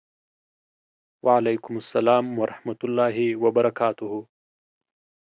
وعلیکم سلام ورحمة الله وبرکاته